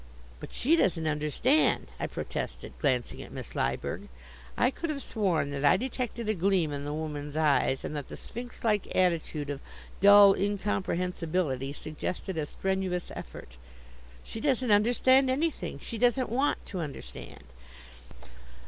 "But she doesn't understand," I protested, glancing at Miss Lyberg. I could have sworn that I detected a gleam in the woman's eyes and that the sphinx like attitude of dull incomprehensibility suggested a strenuous effort. "She doesn't understand anything. She doesn't want to understand."